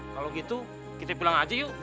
kalau gitu kita pulang aja yuk